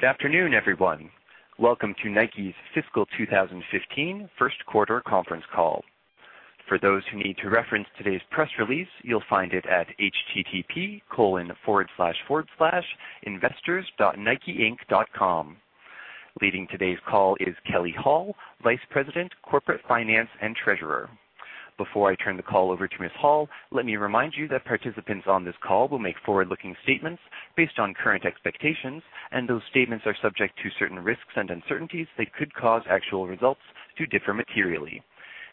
Good afternoon, everyone. Welcome to Nike's fiscal 2015 first quarter conference call. For those who need to reference today's press release, you'll find it at http://investors.nikeinc.com. Leading today's call is Kelley Hall, Vice President, Corporate Finance and Treasurer. Before I turn the call over to Ms. Hall, let me remind you that participants on this call will make forward-looking statements based on current expectations, and those statements are subject to certain risks and uncertainties that could cause actual results to differ materially.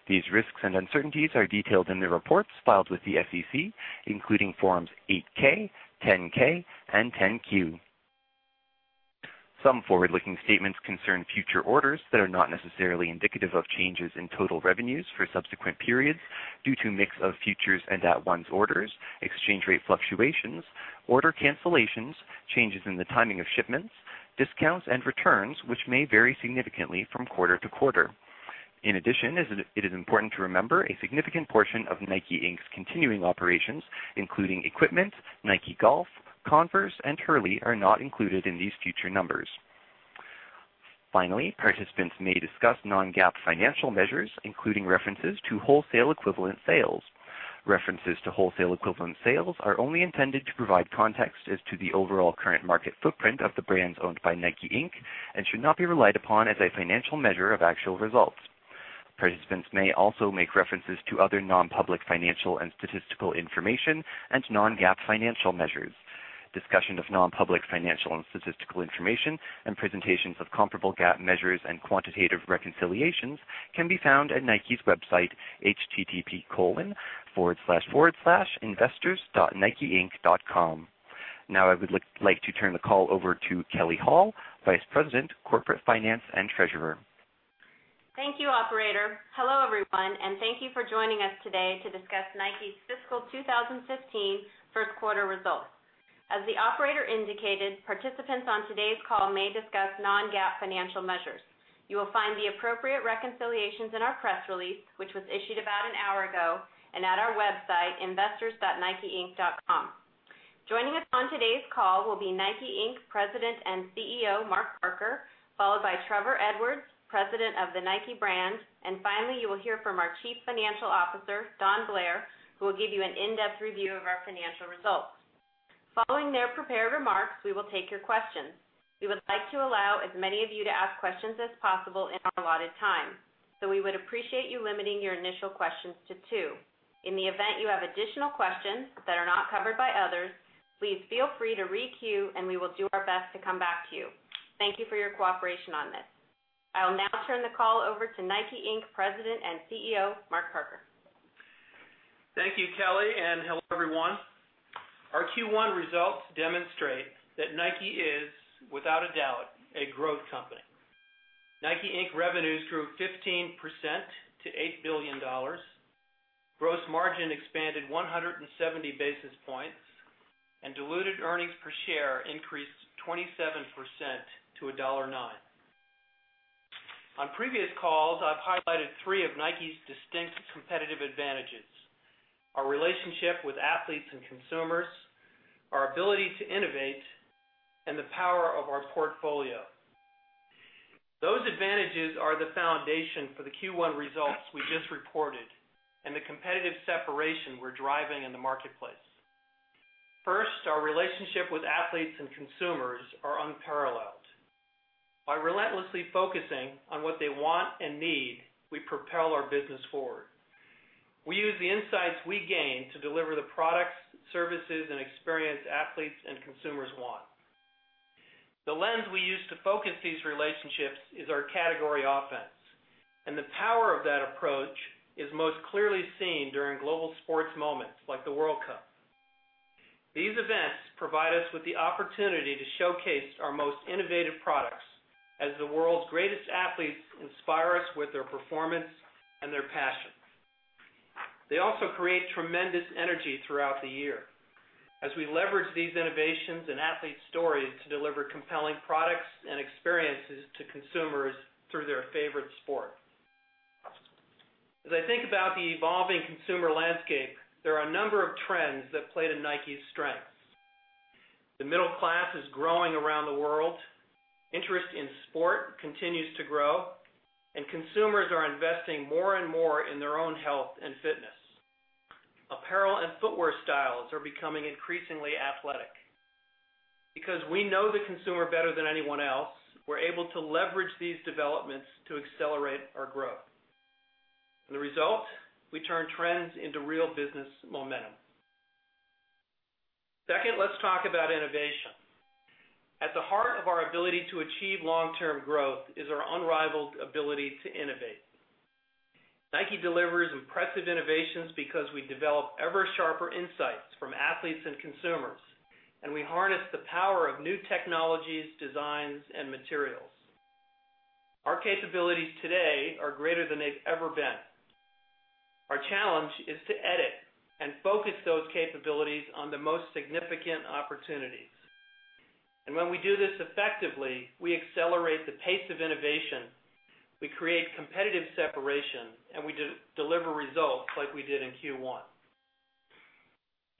These risks and uncertainties are detailed in the reports filed with the SEC, including Forms 8-K, 10-K, and 10-Q. Some forward-looking statements concern future orders that are not necessarily indicative of changes in total revenues for subsequent periods due to a mix of futures and at-once sales, exchange rate fluctuations, order cancellations, changes in the timing of shipments, discounts, and returns, which may vary significantly from quarter to quarter. In addition, it is important to remember a significant portion of Nike, Inc.'s continuing operations, including equipment, Nike Golf, Converse, and Hurley, are not included in these future numbers. Finally, participants may discuss non-GAAP financial measures, including references to wholesale equivalent sales. References to wholesale equivalent sales are only intended to provide context as to the overall current market footprint of the brands owned by Nike, Inc. and should not be relied upon as a financial measure of actual results. Participants may also make references to other non-public financial and statistical information and non-GAAP financial measures. Discussion of non-public financial and statistical information and presentations of comparable GAAP measures and quantitative reconciliations can be found at Nike's website, http://investors.nikeinc.com. I would like to turn the call over to Kelley Hall, Vice President, Corporate Finance and Treasurer. Thank you, operator. Hello, everyone, and thank you for joining us today to discuss Nike's fiscal 2015 first quarter results. As the operator indicated, participants on today's call may discuss non-GAAP financial measures. You will find the appropriate reconciliations in our press release, which was issued about an hour ago, and at our website, investors.nikeinc.com. Joining us on today's call will be Nike, Inc., President and CEO, Mark Parker, followed by Trevor Edwards, President of the Nike Brand, and finally, you will hear from our Chief Financial Officer, Don Blair, who will give you an in-depth review of our financial results. Following their prepared remarks, we will take your questions. We would like to allow as many of you to ask questions as possible in our allotted time. We would appreciate you limiting your initial questions to two. In the event you have additional questions that are not covered by others, please feel free to re-queue, and we will do our best to come back to you. Thank you for your cooperation on this. I'll now turn the call over to Nike, Inc. President and CEO, Mark Parker. Thank you, Kelley, and hello, everyone. Our Q1 results demonstrate that Nike is, without a doubt, a growth company. Nike, Inc. revenues grew 15% to $8 billion. Gross margin expanded 170 basis points, and diluted earnings per share increased 27% to $1.09. On previous calls, I've highlighted three of Nike's distinct competitive advantages: our relationship with athletes and consumers, our ability to innovate, and the power of our portfolio. Those advantages are the foundation for the Q1 results we just reported and the competitive separation we're driving in the marketplace. First, our relationship with athletes and consumers are unparalleled. By relentlessly focusing on what they want and need, we propel our business forward. We use the insights we gain to deliver the products, services, and experience athletes and consumers want. The lens we use to focus these relationships is our category offense, and the power of that approach is most clearly seen during global sports moments like the World Cup. These events provide us with the opportunity to showcase our most innovative products as the world's greatest athletes inspire us with their performance and their passion. They also create tremendous energy throughout the year as we leverage these innovations and athlete stories to deliver compelling products and experiences to consumers through their favorite sport. As I think about the evolving consumer landscape, there are a number of trends that play to Nike's strengths. The middle class is growing around the world. Interest in sport continues to grow. Consumers are investing more and more in their own health and fitness. Apparel and footwear styles are becoming increasingly athletic. Because we know the consumer better than anyone else, we're able to leverage these developments to accelerate our growth. The result, we turn trends into real business momentum. Second, let's talk about innovation. At the heart of our ability to achieve long-term growth is our unrivaled ability to innovate. Nike delivers impressive innovations because we develop ever sharper insights from athletes and consumers, and we harness the power of new technologies, designs, and materials. Our capabilities today are greater than they've ever been. Our challenge is to edit and focus those capabilities on the most significant opportunities. When we do this effectively, we accelerate the pace of innovation, we create competitive separation, and we deliver results like we did in Q1.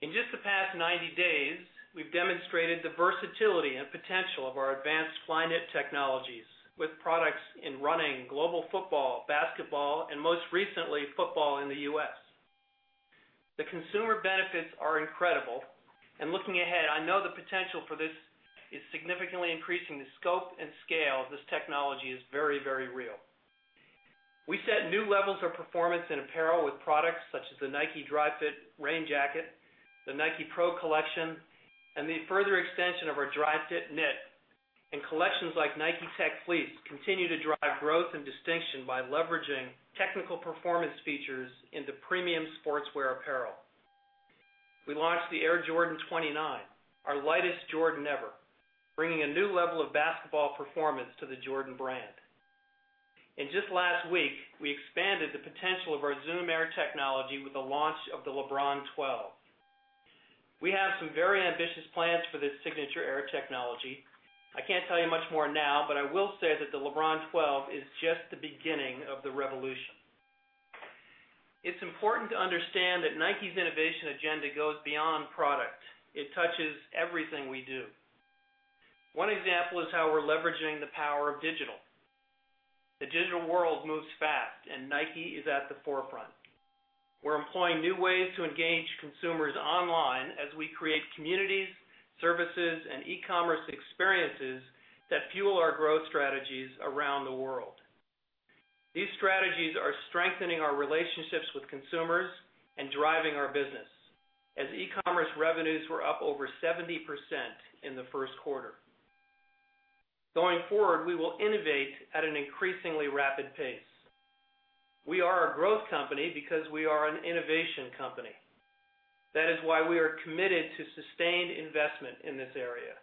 In just the past 90 days, we've demonstrated the versatility and potential of our advanced Flyknit technologies with products in running, global football, basketball, and most recently, football in the U.S. The consumer benefits are incredible. Looking ahead, I know the potential for this is significantly increasing. The scope and scale of this technology is very, very real. We set new levels of performance in apparel with products such as the Nike Dri-FIT Rain Jacket, the Nike Pro collection, and the further extension of our Dri-FIT Knit. Collections like Nike Tech Fleece continue to drive growth and distinction by leveraging technical performance features into premium sportswear apparel. We launched the Air Jordan 29, our lightest Jordan ever, bringing a new level of basketball performance to the Jordan Brand. Just last week, we expanded the potential of our Zoom Air technology with the launch of the LeBron 12. We have some very ambitious plans for this signature Air technology. I can't tell you much more now, but I will say that the LeBron 12 is just the beginning of the revolution. It's important to understand that Nike's innovation agenda goes beyond product. It touches everything we do. One example is how we're leveraging the power of digital. The digital world moves fast, and Nike is at the forefront. We're employing new ways to engage consumers online as we create communities, services, and e-commerce experiences that fuel our growth strategies around the world. These strategies are strengthening our relationships with consumers and driving our business, as e-commerce revenues were up over 70% in the first quarter. Going forward, we will innovate at an increasingly rapid pace. We are a growth company because we are an innovation company. That is why we are committed to sustained investment in this area.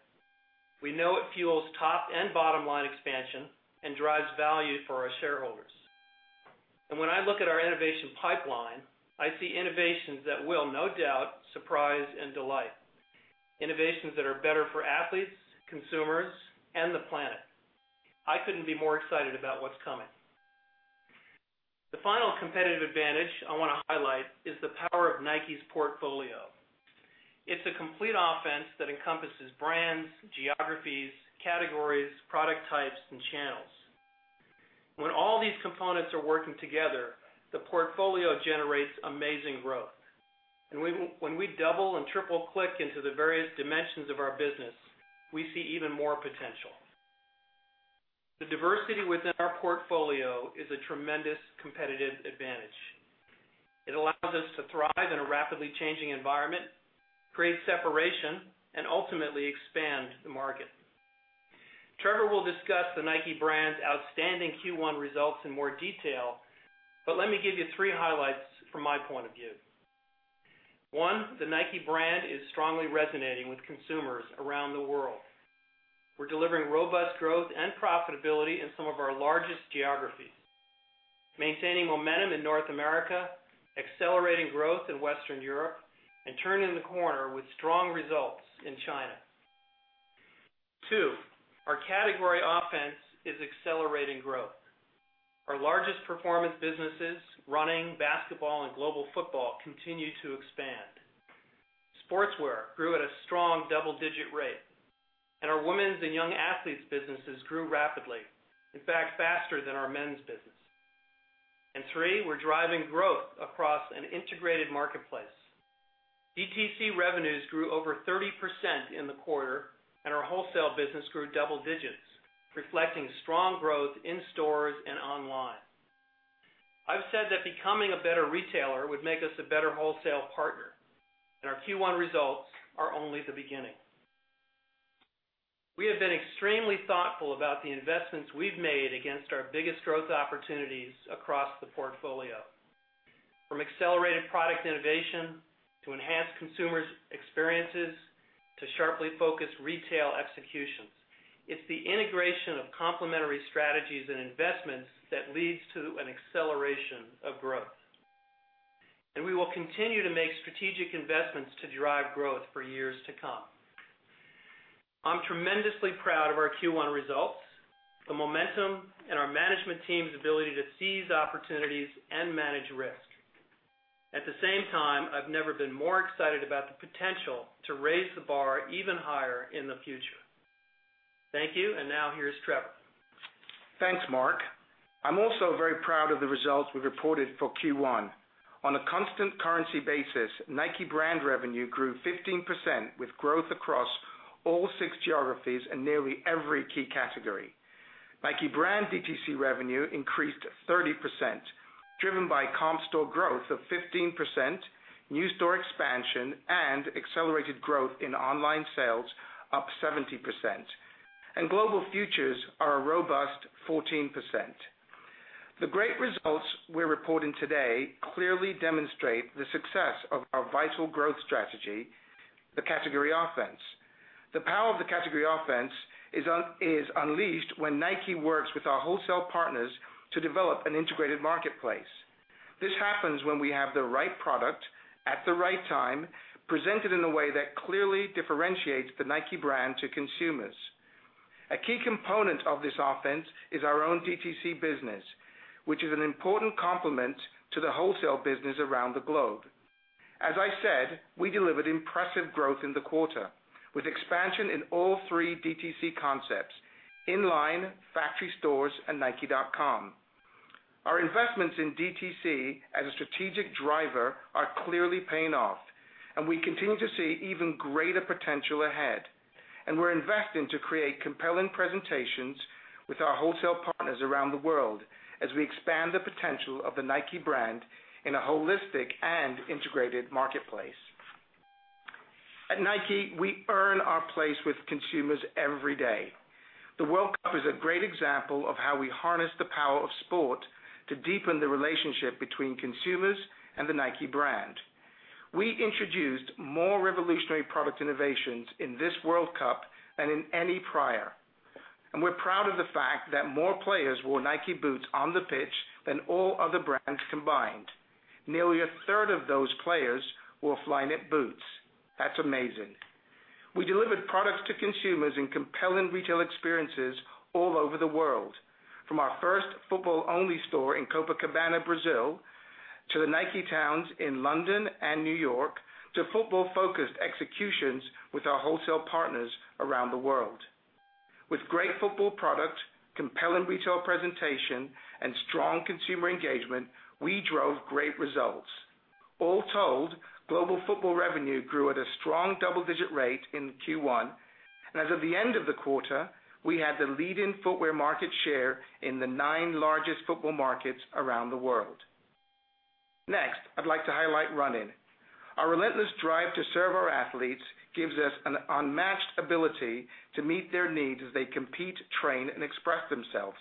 We know it fuels top and bottom-line expansion and drives value for our shareholders. When I look at our innovation pipeline, I see innovations that will, no doubt, surprise and delight. Innovations that are better for athletes, consumers, and the planet. I couldn't be more excited about what's coming. The final competitive advantage I want to highlight is the power of Nike's portfolio. It's a complete offense that encompasses brands, geographies, categories, product types, and channels. When all these components are working together, the portfolio generates amazing growth. When we double and triple click into the various dimensions of our business, we see even more potential. The diversity within our portfolio is a tremendous competitive advantage. It allows us to thrive in a rapidly changing environment, create separation, and ultimately expand the market. Trevor will discuss the Nike Brand's outstanding Q1 results in more detail, but let me give you three highlights from my point of view. One, the Nike Brand is strongly resonating with consumers around the world. We're delivering robust growth and profitability in some of our largest geographies, maintaining momentum in North America, accelerating growth in Western Europe, and turning the corner with strong results in China. Two, our category offense is accelerating growth. Our largest performance businesses, running, basketball, and global football, continue to expand. Sportswear grew at a strong double-digit rate. Our women's and young athletes businesses grew rapidly, in fact, faster than our men's business. Three, we're driving growth across an integrated marketplace. DTC revenues grew over 30% in the quarter, and our wholesale business grew double digits, reflecting strong growth in stores and online. I've said that becoming a better retailer would make us a better wholesale partner. Our Q1 results are only the beginning. We have been extremely thoughtful about the investments we've made against our biggest growth opportunities across the portfolio. From accelerated product innovation to enhanced consumers' experiences to sharply focused retail executions. It's the integration of complementary strategies and investments that leads to an acceleration of growth. We will continue to make strategic investments to drive growth for years to come. I'm tremendously proud of our Q1 results, the momentum, and our management team's ability to seize opportunities and manage risk. At the same time, I've never been more excited about the potential to raise the bar even higher in the future. Thank you. Now here's Trevor. Thanks, Mark. I'm also very proud of the results we've reported for Q1. On a constant currency basis, Nike Brand revenue grew 15% with growth across all six geographies and nearly every key category. Nike Brand DTC revenue increased 30%, driven by comp store growth of 15%, new store expansion, and accelerated growth in online sales, up 70%. Global futures are a robust 14%. The great results we're reporting today clearly demonstrate the success of our vital growth strategy, the category offense. The power of the category offense is unleashed when Nike works with our wholesale partners to develop an integrated marketplace. This happens when we have the right product at the right time, presented in a way that clearly differentiates the Nike Brand to consumers. A key component of this offense is our own DTC business, which is an important complement to the wholesale business around the globe. As I said, we delivered impressive growth in the quarter, with expansion in all three DTC concepts: in-line factory stores and nike.com. Our investments in DTC as a strategic driver are clearly paying off, and we continue to see even greater potential ahead. We're investing to create compelling presentations with our wholesale partners around the world as we expand the potential of the Nike Brand in a holistic and integrated marketplace. At Nike, we earn our place with consumers every day. The World Cup is a great example of how we harness the power of sport to deepen the relationship between consumers and the Nike Brand. We introduced more revolutionary product innovations in this World Cup than in any prior. We're proud of the fact that more players wore Nike boots on the pitch than all other brands combined. Nearly a third of those players wore Flyknit boots. That's amazing. We delivered products to consumers in compelling retail experiences all over the world, from our first football-only store in Copacabana, Brazil, to the NikeTowns in London and New York, to football-focused executions with our wholesale partners around the world. With great football product, compelling retail presentation, and strong consumer engagement, we drove great results. All told, global football revenue grew at a strong double-digit rate in Q1. As of the end of the quarter, we had the lead in footwear market share in the nine largest football markets around the world. Next, I'd like to highlight running. Our relentless drive to serve our athletes gives us an unmatched ability to meet their needs as they compete, train, and express themselves.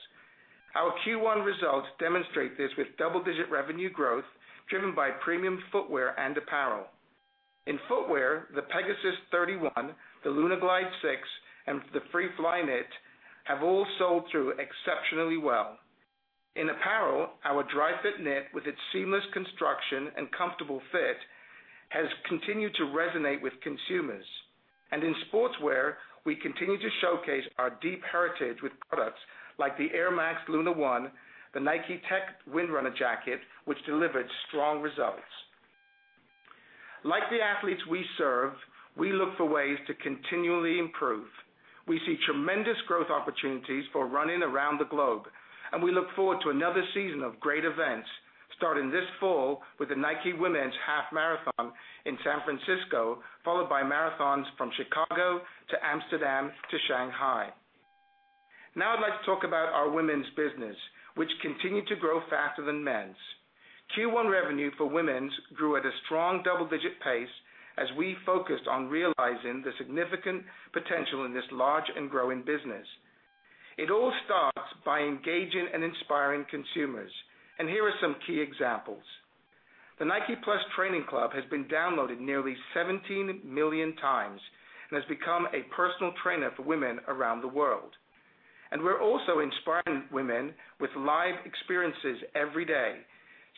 Our Q1 results demonstrate this with double-digit revenue growth driven by premium footwear and apparel. In footwear, the Pegasus 31, the LunarGlide 6, and the Free Flyknit have all sold through exceptionally well. In apparel, our Dri-FIT Knit, with its seamless construction and comfortable fit, has continued to resonate with consumers. In sportswear, we continue to showcase our deep heritage with products like the Air Max Lunar1, the Nike Tech Windrunner jacket, which delivered strong results. Like the athletes we serve, we look for ways to continually improve. We see tremendous growth opportunities for running around the globe, and we look forward to another season of great events starting this fall with the Nike Women's Half Marathon in San Francisco, followed by marathons from Chicago to Amsterdam to Shanghai. I'd like to talk about our women's business, which continued to grow faster than men's. Q1 revenue for women's grew at a strong double-digit pace as we focused on realizing the significant potential in this large and growing business. It all starts by engaging and inspiring consumers, here are some key examples. The Nike+ Training Club has been downloaded nearly 17 million times and has become a personal trainer for women around the world. We're also inspiring women with live experiences every day.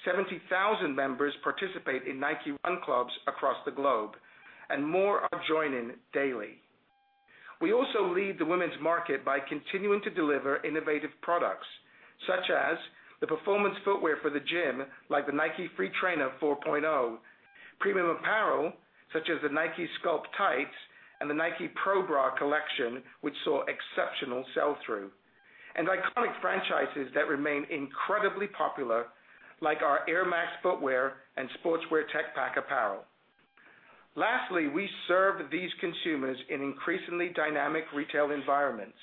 70,000 members participate in Nike Run Clubs across the globe, and more are joining daily. We also lead the women's market by continuing to deliver innovative products, such as the performance footwear for the gym, like the Nike Free 4.0, premium apparel such as the Nike Sculpt Tights and the Nike Pro Bra collection, which saw exceptional sell-through, and iconic franchises that remain incredibly popular, like our Air Max footwear and Nike Tech Pack apparel. Lastly, we serve these consumers in increasingly dynamic retail environments.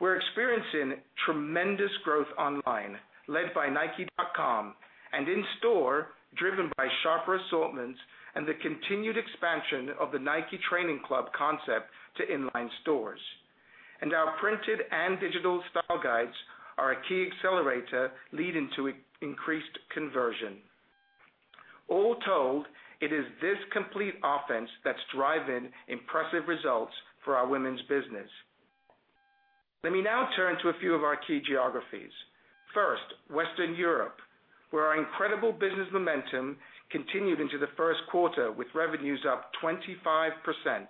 We're experiencing tremendous growth online, led by nike.com, and in store, driven by sharper assortments and the continued expansion of the Nike Training Club concept to in-line stores. Our printed and digital style guides are a key accelerator leading to increased conversion. All told, it is this complete offense that's driving impressive results for our women's business. Let me now turn to a few of our key geographies. First, Western Europe, where our incredible business momentum continued into the first quarter with revenues up 25%.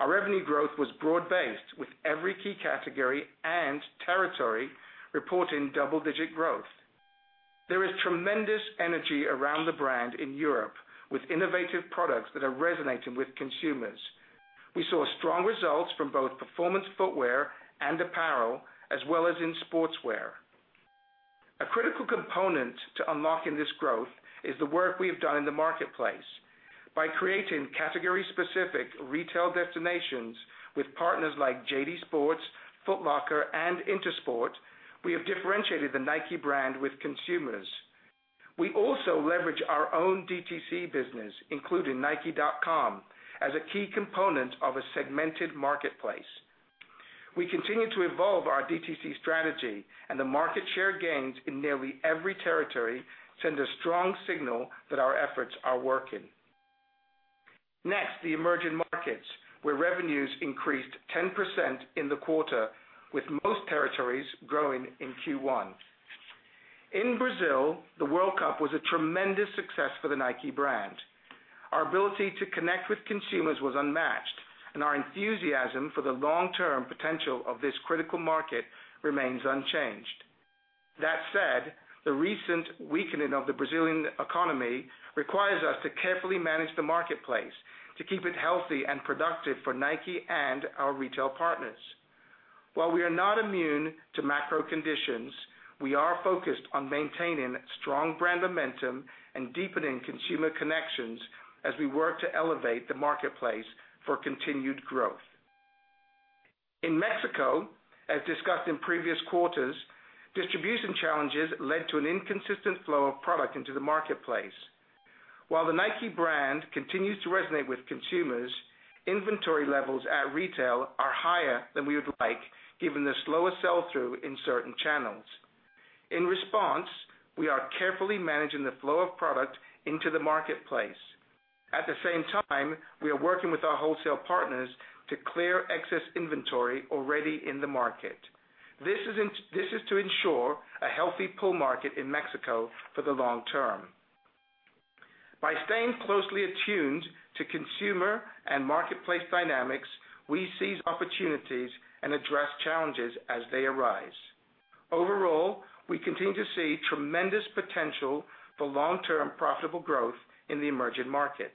Our revenue growth was broad-based, with every key category and territory reporting double-digit growth. There is tremendous energy around the brand in Europe with innovative products that are resonating with consumers. We saw strong results from both performance footwear and apparel, as well as in sportswear. A critical component to unlocking this growth is the work we have done in the marketplace. By creating category-specific retail destinations with partners like JD Sports, Foot Locker, and INTERSPORT, we have differentiated the Nike brand with consumers. We also leverage our own DTC business, including nike.com, as a key component of a segmented marketplace. We continue to evolve our DTC strategy and the market share gains in nearly every territory send a strong signal that our efforts are working. Next, the emerging markets, where revenues increased 10% in the quarter, with most territories growing in Q1. In Brazil, the World Cup was a tremendous success for the Nike brand. Our ability to connect with consumers was unmatched, and our enthusiasm for the long-term potential of this critical market remains unchanged. That said, the recent weakening of the Brazilian economy requires us to carefully manage the marketplace to keep it healthy and productive for Nike and our retail partners. While we are not immune to macro conditions, we are focused on maintaining strong brand momentum and deepening consumer connections as we work to elevate the marketplace for continued growth. In Mexico, as discussed in previous quarters, distribution challenges led to an inconsistent flow of product into the marketplace. While the Nike brand continues to resonate with consumers, inventory levels at retail are higher than we would like given the slower sell-through in certain channels. In response, we are carefully managing the flow of product into the marketplace. At the same time, we are working with our wholesale partners to clear excess inventory already in the market. This is to ensure a healthy pull market in Mexico for the long term. By staying closely attuned to consumer and marketplace dynamics, we seize opportunities and address challenges as they arise. Overall, we continue to see tremendous potential for long-term profitable growth in the emerging markets.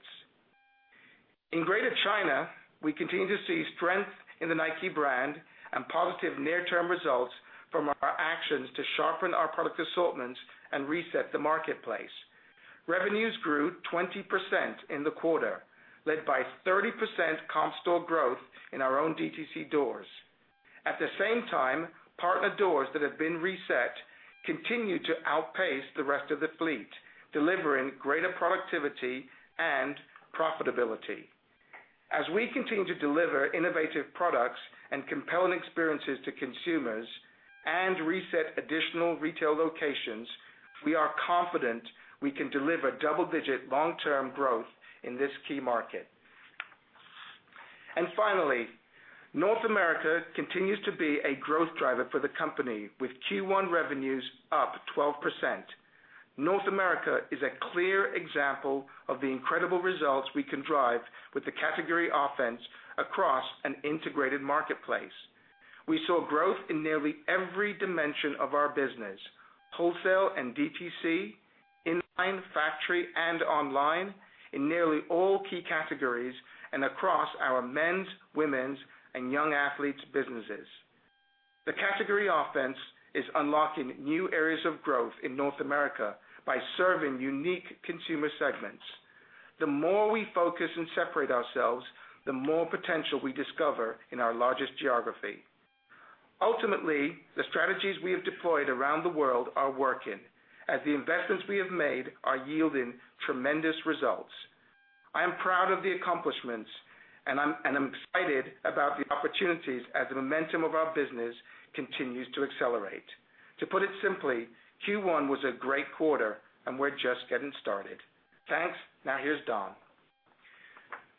In Greater China, we continue to see strength in the Nike brand and positive near-term results from our actions to sharpen our product assortments and reset the marketplace. Revenues grew 20% in the quarter, led by 30% comp store growth in our own DTC doors. At the same time, partner doors that have been reset continue to outpace the rest of the fleet, delivering greater productivity and profitability. As we continue to deliver innovative products and compelling experiences to consumers and reset additional retail locations, we are confident we can deliver double-digit long-term growth in this key market. Finally, North America continues to be a growth driver for the company, with Q1 revenues up 12%. North America is a clear example of the incredible results we can drive with the category offense across an integrated marketplace. We saw growth in nearly every dimension of our business, wholesale and DTC, in line, factory, and online, in nearly all key categories and across our men's, women's, and young athletes businesses. The category offense is unlocking new areas of growth in North America by serving unique consumer segments. The more we focus and separate ourselves, the more potential we discover in our largest geography. Ultimately, the strategies we have deployed around the world are working as the investments we have made are yielding tremendous results. I am proud of the accomplishments, and I'm excited about the opportunities as the momentum of our business continues to accelerate. To put it simply, Q1 was a great quarter, and we're just getting started. Thanks. Now here's Don.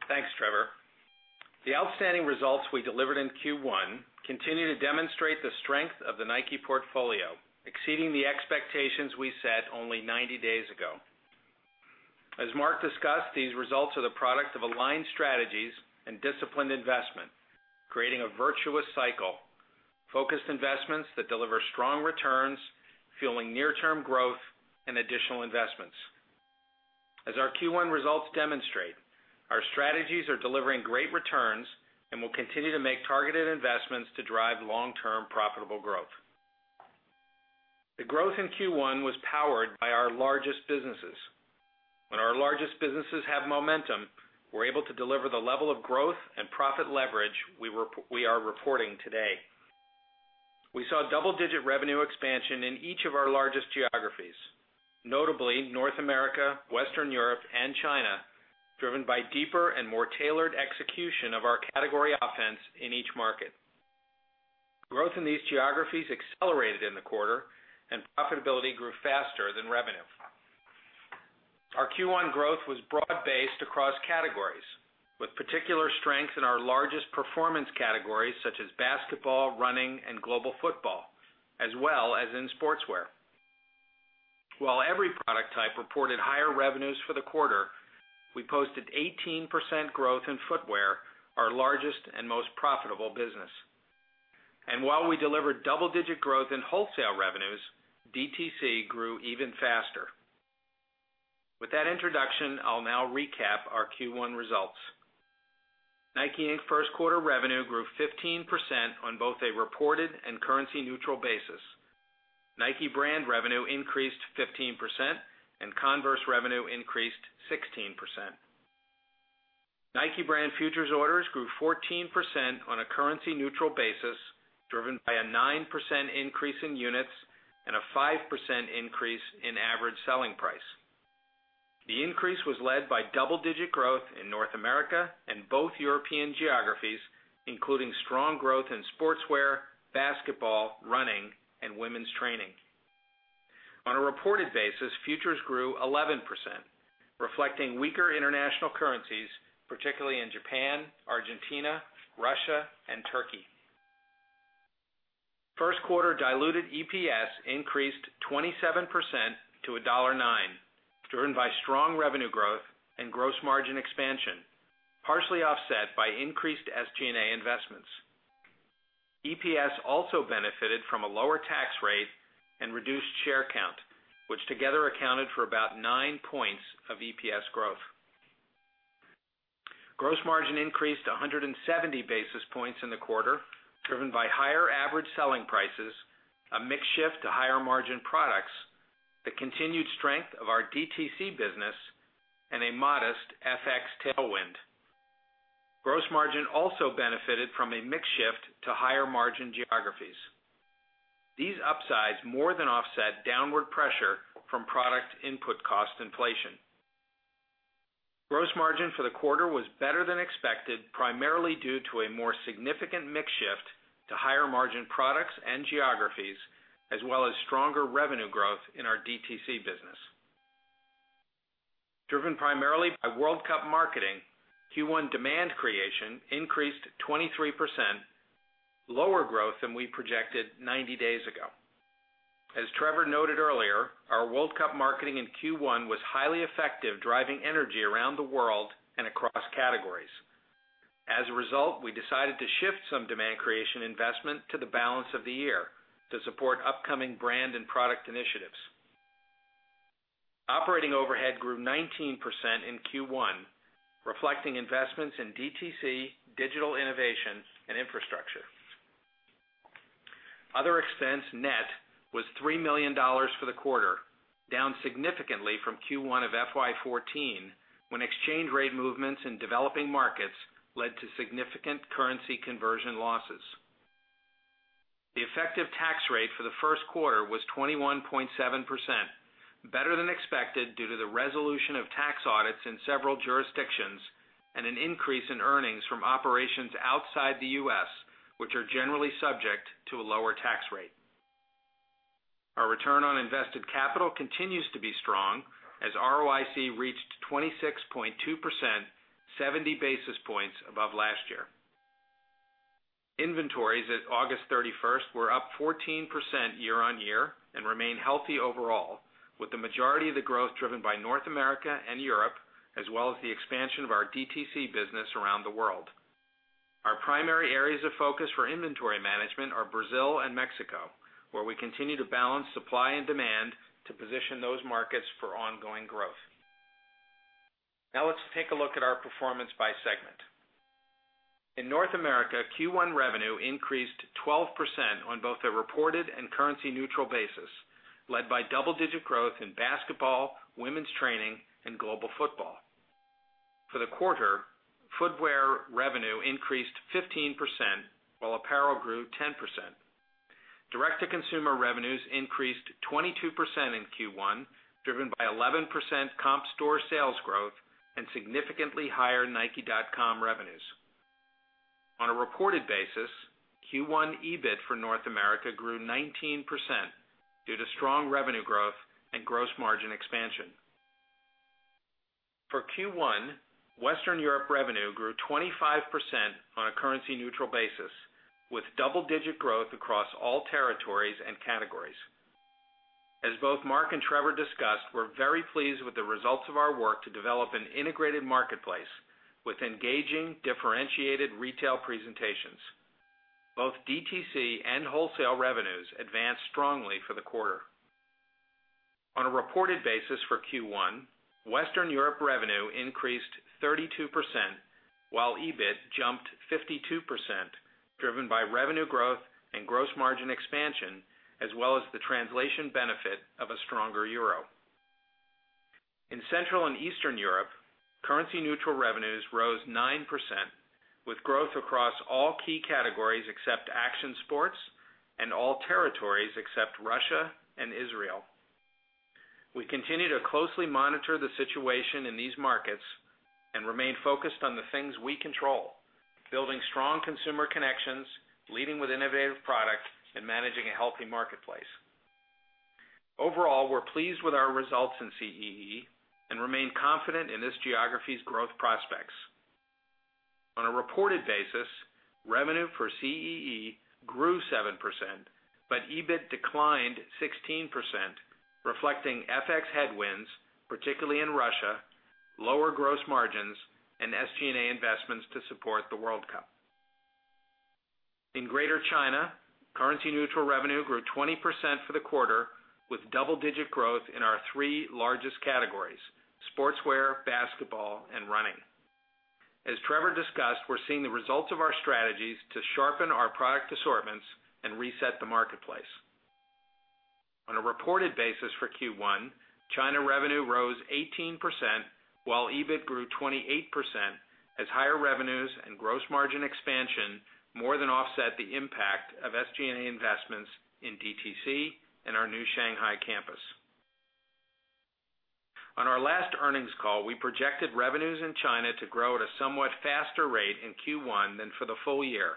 Thanks, Trevor. The outstanding results we delivered in Q1 continue to demonstrate the strength of the Nike portfolio, exceeding the expectations we set only 90 days ago. As Mark discussed, these results are the product of aligned strategies and disciplined investment, creating a virtuous cycle. Focused investments that deliver strong returns, fueling near-term growth and additional investments. As our Q1 results demonstrate, our strategies are delivering great returns and will continue to make targeted investments to drive long-term profitable growth. The growth in Q1 was powered by our largest businesses. When our largest businesses have momentum, we're able to deliver the level of growth and profit leverage we are reporting today. We saw double-digit revenue expansion in each of our largest geographies, notably North America, Western Europe, and China, driven by deeper and more tailored execution of our category offense in each market. Growth in these geographies accelerated in the quarter and profitability grew faster than revenue. Our Q1 growth was broad-based across categories, with particular strength in our largest performance categories such as basketball, running, and global football, as well as in sportswear. While every product type reported higher revenues for the quarter, we posted 18% growth in footwear, our largest and most profitable business. While we delivered double-digit growth in wholesale revenues, DTC grew even faster. With that introduction, I'll now recap our Q1 results. Nike, Inc.'s first quarter revenue grew 15% on both a reported and currency-neutral basis. Nike brand revenue increased 15%, and Converse revenue increased 16%. Nike brand futures orders grew 14% on a currency-neutral basis, driven by a 9% increase in units and a 5% increase in average selling price. The increase was led by double-digit growth in North America and both European geographies, including strong growth in sportswear, basketball, running, and women's training. Reported basis futures grew 11%, reflecting weaker international currencies, particularly in Japan, Argentina, Russia, and Turkey. First quarter diluted EPS increased 27% to $1.09, driven by strong revenue growth and gross margin expansion, partially offset by increased SG&A investments. EPS also benefited from a lower tax rate and reduced share count, which together accounted for about 9 points of EPS growth. Gross margin increased 170 basis points in the quarter, driven by higher average selling prices, a mix shift to higher margin products, the continued strength of our DTC business, and a modest FX tailwind. Gross margin also benefited from a mix shift to higher margin geographies. These upsides more than offset downward pressure from product input cost inflation. Gross margin for the quarter was better than expected, primarily due to a more significant mix shift to higher margin products and geographies, as well as stronger revenue growth in our DTC business. Driven primarily by World Cup marketing, Q1 demand creation increased 23%, lower growth than we projected 90 days ago. As Trevor noted earlier, our World Cup marketing in Q1 was highly effective, driving energy around the world and across categories. As a result, we decided to shift some demand creation investment to the balance of the year to support upcoming brand and product initiatives. Operating overhead grew 19% in Q1, reflecting investments in DTC, digital innovation, and infrastructure. Other expense net was $3 million for the quarter, down significantly from Q1 of FY 2014, when exchange rate movements in developing markets led to significant currency conversion losses. The effective tax rate for the first quarter was 21.7%, better than expected due to the resolution of tax audits in several jurisdictions and an increase in earnings from operations outside the U.S., which are generally subject to a lower tax rate. Our return on invested capital continues to be strong, as ROIC reached 26.2%, 70 basis points above last year. Inventories as August 31st were up 14% year-over-year and remain healthy overall, with the majority of the growth driven by North America and Europe, as well as the expansion of our DTC business around the world. Our primary areas of focus for inventory management are Brazil and Mexico, where we continue to balance supply and demand to position those markets for ongoing growth. Let's take a look at our performance by segment. In North America, Q1 revenue increased 12% on both a reported and currency neutral basis, led by double digit growth in basketball, women's training, and global football. For the quarter, footwear revenue increased 15%, while apparel grew 10%. Direct to consumer revenues increased 22% in Q1, driven by 11% comp store sales growth and significantly higher nike.com revenues. On a reported basis, Q1 EBIT for North America grew 19% due to strong revenue growth and gross margin expansion. For Q1, Western Europe revenue grew 25% on a currency neutral basis, with double digit growth across all territories and categories. As both Mark and Trevor discussed, we're very pleased with the results of our work to develop an integrated marketplace with engaging, differentiated retail presentations. Both DTC and wholesale revenues advanced strongly for the quarter. On a reported basis for Q1, Western Europe revenue increased 32%, while EBIT jumped 52%, driven by revenue growth and gross margin expansion, as well as the translation benefit of a stronger euro. In Central and Eastern Europe, currency neutral revenues rose 9%, with growth across all key categories except action sports and all territories except Russia and Israel. We continue to closely monitor the situation in these markets and remain focused on the things we control, building strong consumer connections, leading with innovative product, and managing a healthy marketplace. Overall, we're pleased with our results in CEE and remain confident in this geography's growth prospects. On a reported basis, revenue for CEE grew 7%, but EBIT declined 16%, reflecting FX headwinds, particularly in Russia, lower gross margins, and SG&A investments to support the World Cup. In Greater China, currency neutral revenue grew 20% for the quarter, with double digit growth in our three largest categories, sportswear, basketball, and running. As Trevor discussed, we're seeing the results of our strategies to sharpen our product assortments and reset the marketplace. On a reported basis for Q1, China revenue rose 18%, while EBIT grew 28% as higher revenues and gross margin expansion more than offset the impact of SG&A investments in DTC and our new Shanghai campus. On our last earnings call, we projected revenues in China to grow at a somewhat faster rate in Q1 than for the full year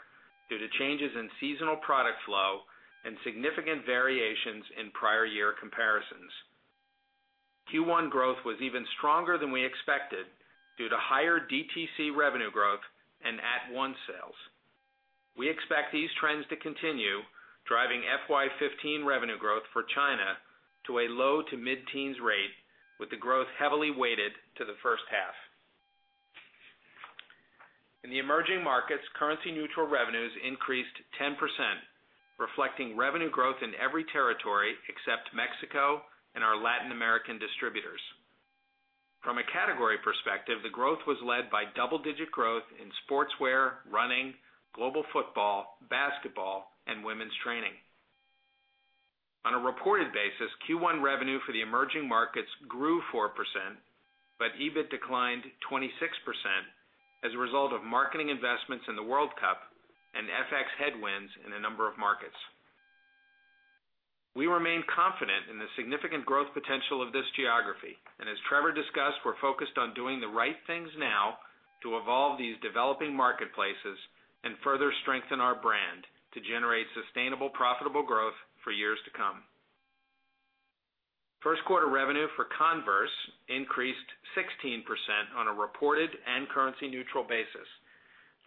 due to changes in seasonal product flow and significant variations in prior year comparisons. Q1 growth was even stronger than we expected due to higher DTC revenue growth and at-once sales. We expect these trends to continue driving FY 2015 revenue growth for China to a low to mid-teens rate, with the growth heavily weighted to the first half. In the emerging markets, currency-neutral revenues increased 10%, reflecting revenue growth in every territory except Mexico and our Latin American distributors. From a category perspective, the growth was led by double digit growth in sportswear, running, global football, basketball, and women's training. On a reported basis, Q1 revenue for the emerging markets grew 4%, but EBIT declined 26% as a result of marketing investments in the World Cup and FX headwinds in a number of markets. We remain confident in the significant growth potential of this geography. As Trevor discussed, we're focused on doing the right things now to evolve these developing marketplaces and further strengthen our brand to generate sustainable profitable growth for years to come. First quarter revenue for Converse increased 16% on a reported and currency-neutral basis,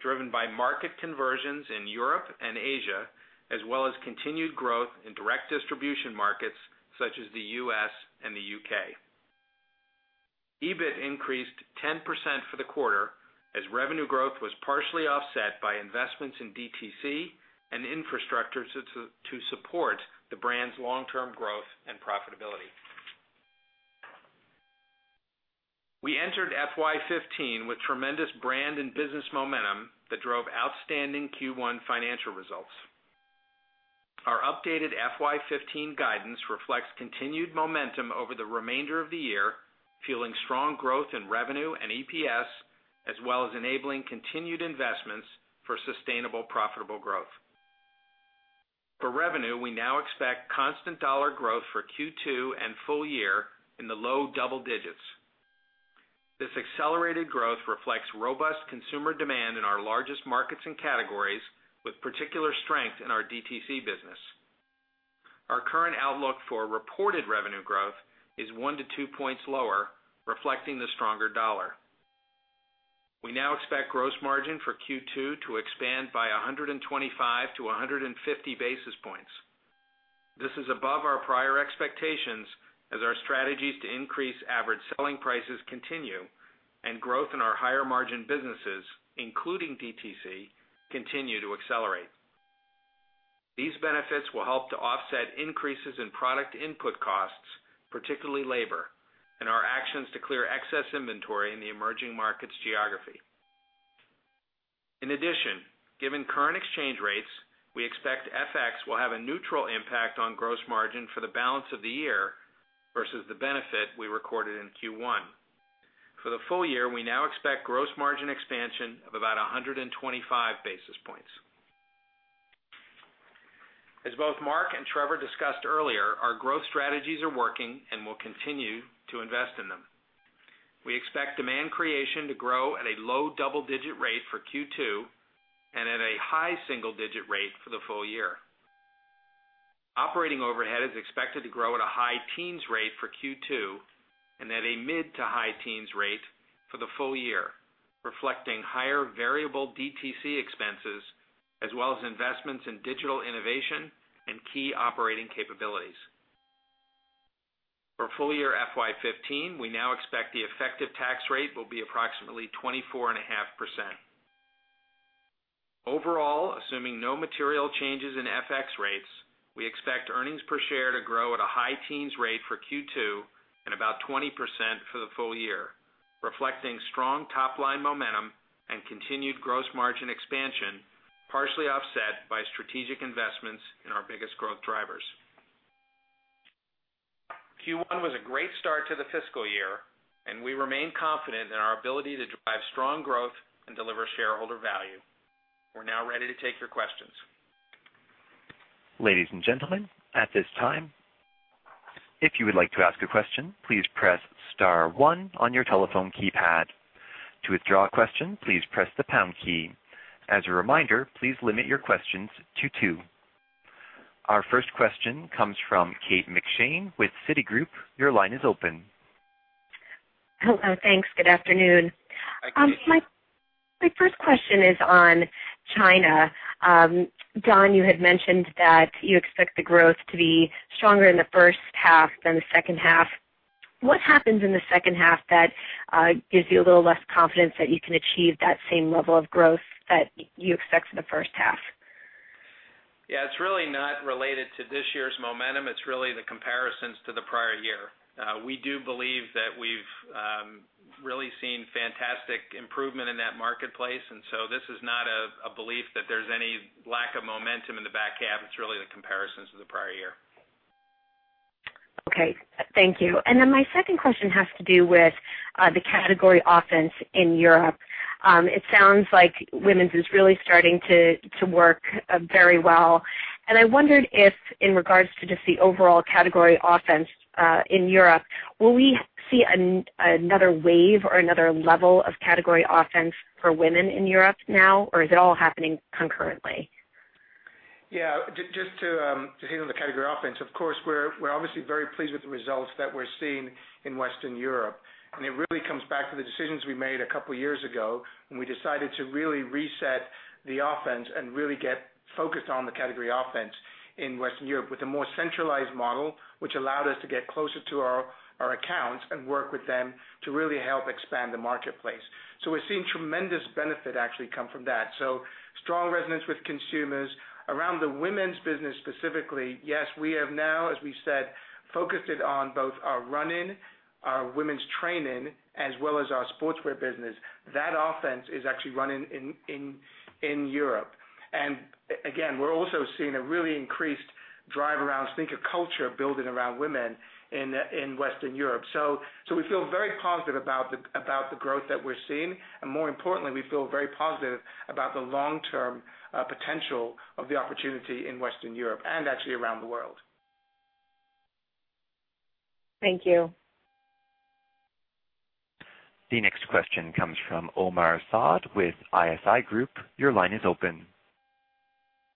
driven by market conversions in Europe and Asia, as well as continued growth in direct distribution markets such as the U.S. and the U.K. EBIT increased 10% for the quarter as revenue growth was partially offset by investments in DTC and infrastructure to support the brand's long-term growth and profitability. We entered FY 2015 with tremendous brand and business momentum that drove outstanding Q1 financial results. Our updated FY 2015 guidance reflects continued momentum over the remainder of the year, fueling strong growth in revenue and EPS, as well as enabling continued investments for sustainable profitable growth. For revenue, we now expect constant dollar growth for Q2 and full year in the low double digits. This accelerated growth reflects robust consumer demand in our largest markets and categories, with particular strength in our DTC business. Our current outlook for reported revenue growth is one to two points lower, reflecting the stronger dollar. We now expect gross margin for Q2 to expand by 125 to 150 basis points. This is above our prior expectations as our strategies to increase average selling prices continue and growth in our higher margin businesses, including DTC, continue to accelerate. These benefits will help to offset increases in product input costs, particularly labor, and our actions to clear excess inventory in the emerging markets geography. In addition, given current exchange rates, we expect FX will have a neutral impact on gross margin for the balance of the year versus the benefit we recorded in Q1. For the full year, we now expect gross margin expansion of about 125 basis points. As both Mark and Trevor discussed earlier, our growth strategies are working and we'll continue to invest in them. We expect demand creation to grow at a low double-digit rate for Q2 and at a high single-digit rate for the full year. Operating overhead is expected to grow at a high teens rate for Q2 and at a mid to high teens rate for the full year, reflecting higher variable DTC expenses as well as investments in digital innovation and key operating capabilities. For full year FY 2015, we now expect the effective tax rate will be approximately 24.5%. Overall, assuming no material changes in FX rates, we expect earnings per share to grow at a high teens rate for Q2 and about 20% for the full year, reflecting strong top-line momentum and continued gross margin expansion, partially offset by strategic investments in our biggest growth drivers. Q1 was a great start to the fiscal year. We remain confident in our ability to drive strong growth and deliver shareholder value. We're now ready to take your questions. Ladies and gentlemen, at this time, if you would like to ask a question, please press *1 on your telephone keypad. To withdraw a question, please press the # key. As a reminder, please limit your questions to two. Our first question comes from Kate McShane with Citigroup. Your line is open. Hello. Thanks. Good afternoon. Hi, Kate. My first question is on China. Don, you had mentioned that you expect the growth to be stronger in the first half than the second half. What happens in the second half that gives you a little less confidence that you can achieve that same level of growth that you expect for the first half? Yeah. It's really not related to this year's momentum. It's really the comparisons to the prior year. We do believe that we've really seen fantastic improvement in that marketplace, and so this is not a belief that there's any lack of momentum in the back half. It's really the comparisons to the prior year. Okay. Thank you. My second question has to do with the category offense in Europe. It sounds like women's is really starting to work very well. I wondered if, in regards to just the overall category offense in Europe, will we see another wave or another level of category offense for women in Europe now, or is it all happening concurrently? Yeah. Just to hit on the category offense, of course, we're obviously very pleased with the results that we're seeing in Western Europe, and it really comes back to the decisions we made a couple of years ago when we decided to really reset the offense and really get focused on the category offense in Western Europe with a more centralized model, which allowed us to get closer to our accounts and work with them to really help expand the marketplace. We're seeing tremendous benefit actually come from that. Strong resonance with consumers. Around the women's business, specifically, yes, we have now, as we said, focused it on both our running, our women's training, as well as our sportswear business. That offense is actually running in Europe. Again, we're also seeing a really increased drive around sneaker culture building around women in Western Europe. We feel very positive about the growth that we're seeing, and more importantly, we feel very positive about the long-term potential of the opportunity in Western Europe and actually around the world. Thank you. The next question comes from Omar Saad with ISI Group. Your line is open.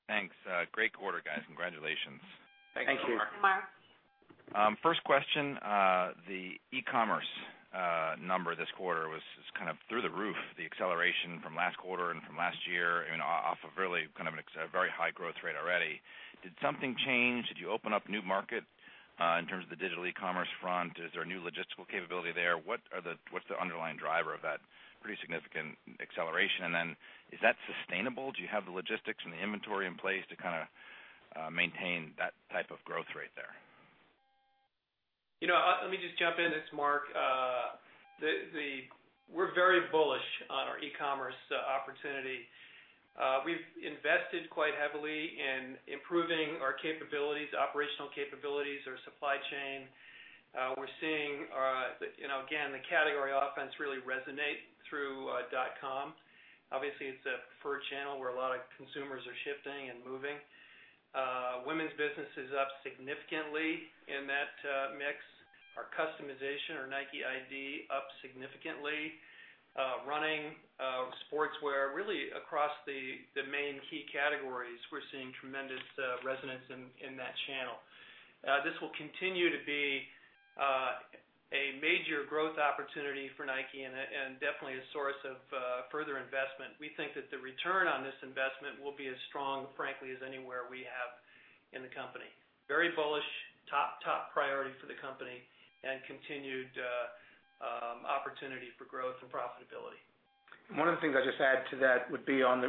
Thanks. Great quarter, guys. Congratulations. Thank you. Thanks, Omar. First question, the e-commerce number this quarter was just kind of through the roof, the acceleration from last quarter and from last year and off of really a very high growth rate already. Did something change? Did you open up a new market in terms of the digital e-commerce front? Is there a new logistical capability there? What's the underlying driver of that pretty significant acceleration? Then is that sustainable? Do you have the logistics and the inventory in place to maintain that type of growth rate there? Let me just jump in. It's Mark. We're very bullish on our e-commerce opportunity. We've invested quite heavily in improving our capabilities, operational capabilities, our supply chain. We're seeing, again, the category offense really resonate through .com. Obviously, it's a preferred channel where a lot of consumers are shifting and moving. Women's business is up significantly in that mix. Our customization, our NIKEiD, up significantly. Running, sportswear, really across the main key categories, we're seeing tremendous resonance in that channel. This will continue to be a major growth opportunity for Nike and definitely a source of further investment. We think that the return on this investment will be as strong, frankly, as anywhere we have in the company. Very bullish. Top priority for the company and continued opportunity for growth and profitability. One of the things I'll just add to that would be on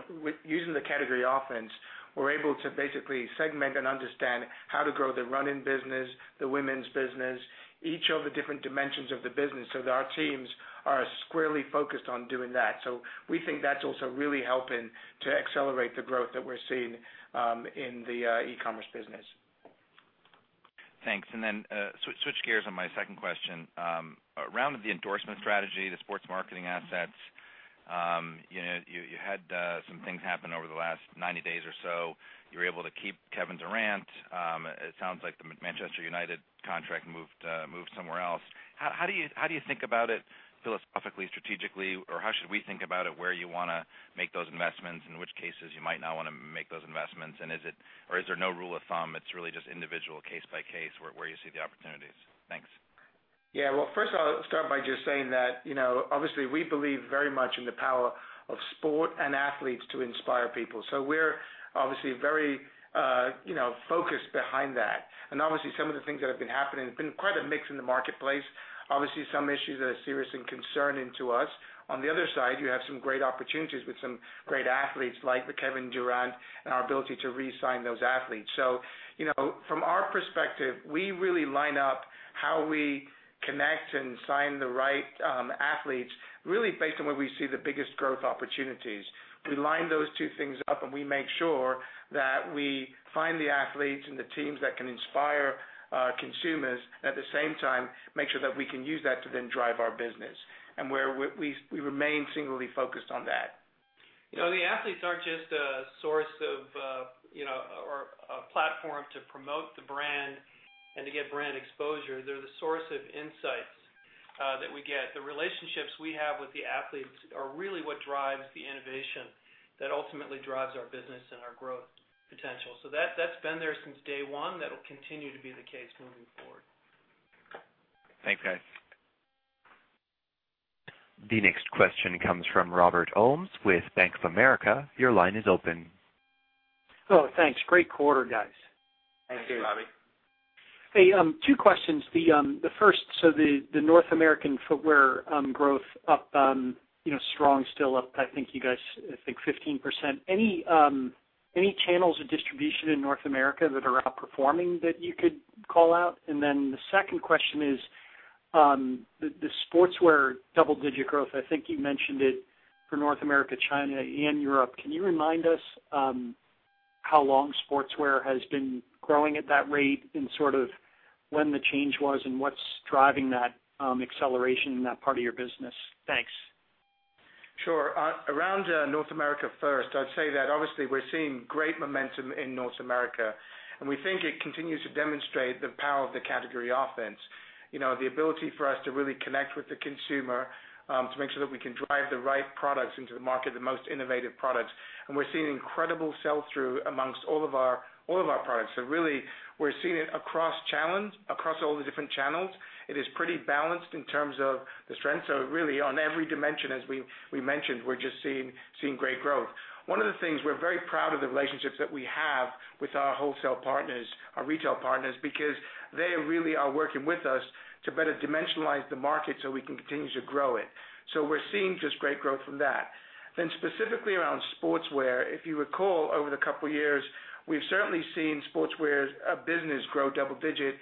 using the category offense, we're able to basically segment and understand how to grow the running business, the women's business, each of the different dimensions of the business, so that our teams are squarely focused on doing that. We think that's also really helping to accelerate the growth that we're seeing in the e-commerce business. Thanks. Switch gears on my second question. Around the endorsement strategy, the sports marketing assets. You had some things happen over the last 90 days or so. You were able to keep Kevin Durant. It sounds like the Manchester United contract moved somewhere else. How do you think about it philosophically, strategically, or how should we think about it, where you want to make those investments, in which cases you might not want to make those investments? Is there no rule of thumb, it's really just individual case by case where you see the opportunities? Thanks. Yeah. Well, first of all, let me start by just saying that, obviously, we believe very much in the power of sport and athletes to inspire people. We're obviously very focused behind that. Obviously, some of the things that have been happening, it's been quite a mix in the marketplace. Obviously, some issues that are serious and concerning to us. On the other side, you have some great opportunities with some great athletes like with Kevin Durant and our ability to re-sign those athletes. From our perspective, we really line up how we connect and sign the right athletes, really based on where we see the biggest growth opportunities. We line those two things up, and we make sure that we find the athletes and the teams that can inspire our consumers. At the same time, make sure that we can use that to then drive our business. We remain singularly focused on that. The athletes aren't just a source of a platform to promote the brand and to get brand exposure. They're the source of insights that we get. The relationships we have with the athletes are really what drives the innovation that ultimately drives our business and our growth potential. That's been there since day one. That'll continue to be the case moving forward. Thanks, guys. The next question comes from Robert Holmes with Bank of America. Your line is open. Oh, thanks. Great quarter, guys. Thanks, Bobby. Thank you. Hey, two questions. The first, the North American footwear growth up strong, still up, I think you guys, 15%. Any channels of distribution in North America that are outperforming that you could call out? The second question is, the sportswear double-digit growth, I think you mentioned it for North America, China and Europe. Can you remind us how long sportswear has been growing at that rate and when the change was and what's driving that acceleration in that part of your business. Thanks. Sure. Around North America first, I'd say that obviously we're seeing great momentum in North America, we think it continues to demonstrate the power of the category offense. The ability for us to really connect with the consumer, to make sure that we can drive the right products into the market, the most innovative products. We're seeing incredible sell-through amongst all of our products. Really, we're seeing it across all the different channels. It is pretty balanced in terms of the strengths. Really, on every dimension, as we mentioned, we're just seeing great growth. One of the things, we're very proud of the relationships that we have with our wholesale partners, our retail partners, because they really are working with us to better dimensionalize the market so we can continue to grow it. We're seeing just great growth from that. Specifically around sportswear, if you recall over the couple of years, we've certainly seen sportswear as a business grow double-digit.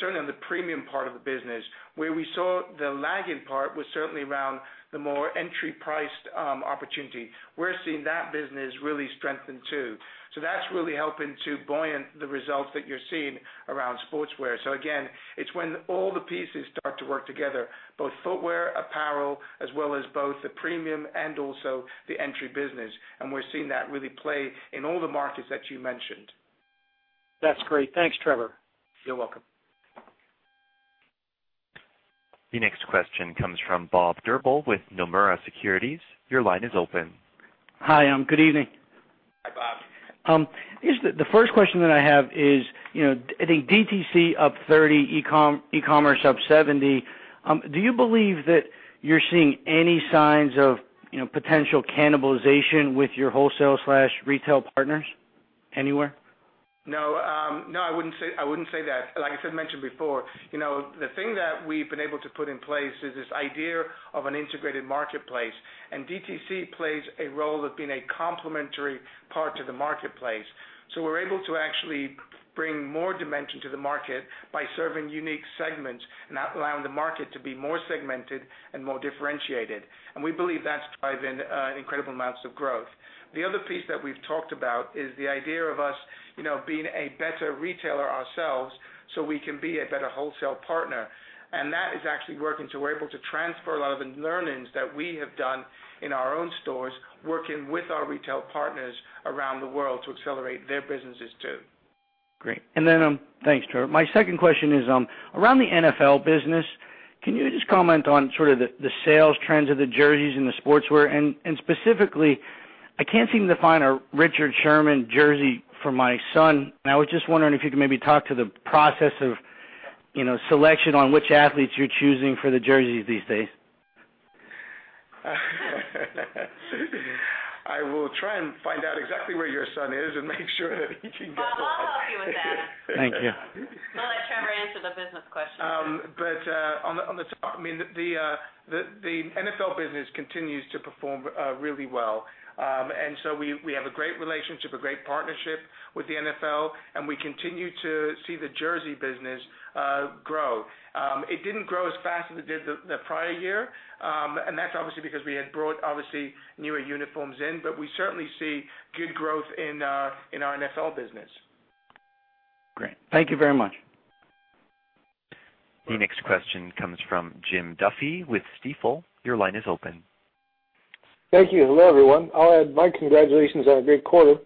Certainly in the premium part of the business. Where we saw the lagging part was certainly around the more entry-priced opportunity. We're seeing that business really strengthen, too. That's really helping to buoyant the results that you're seeing around sportswear. Again, it's when all the pieces start to work together, both footwear, apparel, as well as both the premium and also the entry business. We're seeing that really play in all the markets that you mentioned. That's great. Thanks, Trevor. You're welcome. The next question comes from Robert Drbul with Nomura Securities. Your line is open. Hi, good evening. Hi, Bobby. The first question that I have is, I think DTC up 30%, e-commerce up 70%. Do you believe that you're seeing any signs of potential cannibalization with your wholesale/retail partners anywhere? No. I wouldn't say that. Like I mentioned before, the thing that we've been able to put in place is this idea of an integrated marketplace. DTC plays a role of being a complementary part to the marketplace. We're able to actually bring more dimension to the market by serving unique segments and allowing the market to be more segmented and more differentiated. We believe that's driving incredible amounts of growth. The other piece that we've talked about is the idea of us being a better retailer ourselves so we can be a better wholesale partner. That is actually working. We're able to transfer a lot of the learnings that we have done in our own stores, working with our retail partners around the world to accelerate their businesses, too. Great. Thanks, Trevor. My second question is around the NFL business. Can you just comment on sort of the sales trends of the jerseys and the sportswear? Specifically, I can't seem to find a Richard Sherman jersey for my son, I was just wondering if you could maybe talk to the process of selection on which athletes you're choosing for the jerseys these days. I will try and find out exactly where your son is and make sure that he can get one. Bob, I'll help you with that. Thank you. I'll let Trevor answer the business question. On the top, the NFL business continues to perform really well. We have a great relationship, a great partnership with the NFL, and we continue to see the jersey business grow. It didn't grow as fast as it did the prior year. That's obviously because we had brought newer uniforms in. We certainly see good growth in our NFL business. Great. Thank you very much. The next question comes from Jim Duffy with Stifel. Your line is open. Thank you. Hello, everyone. I'll add my congratulations on a great quarter.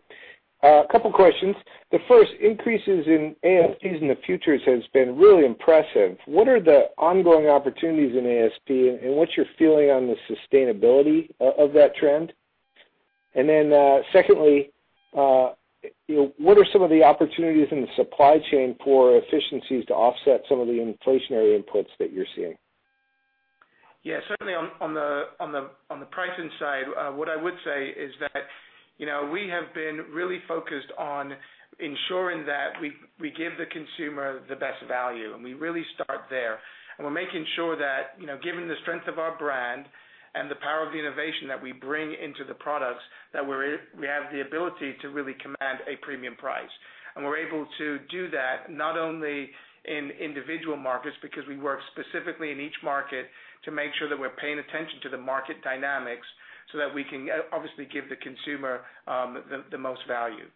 A couple questions. The first, increases in ASPs in the futures has been really impressive. What are the ongoing opportunities in ASP and what's your feeling on the sustainability of that trend? Secondly, what are some of the opportunities in the supply chain for efficiencies to offset some of the inflationary inputs that you're seeing? Yeah. Certainly, on the pricing side, what I would say is that we have been really focused on ensuring that we give the consumer the best value, we really start there. We're making sure that given the strength of our brand and the power of the innovation that we bring into the products, that we have the ability to really command a premium price. We're able to do that not only in individual markets, because we work specifically in each market to make sure that we're paying attention to the market dynamics so that we can obviously give the consumer the most value.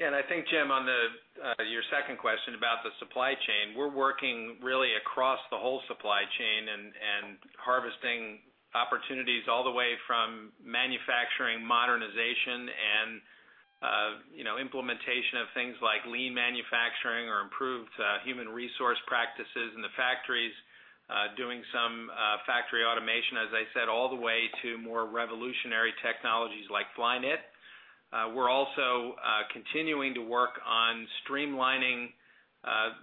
I think, Jim, on your second question about the supply chain, we're working really across the whole supply chain and harvesting opportunities all the way from manufacturing modernization and implementation of things like lean manufacturing or improved human resource practices in the factories. Doing some factory automation, as I said, all the way to more revolutionary technologies like Flyknit. We're also continuing to work on streamlining